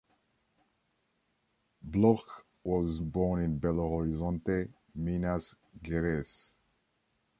Bloch was born in Belo Horizonte, Minas Gerais.